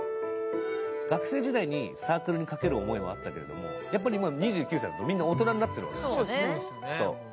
学生時代にサークルにかける思いもあるけれどもやっぱり２９歳だと、みんな大人になってるわけですよ。